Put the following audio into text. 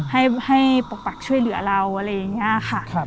ให้ปกปักช่วยเหลือเราอะไรอย่างนี้ค่ะ